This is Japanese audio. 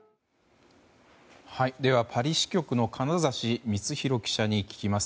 パリ支局の金指光宏記者に聞きます。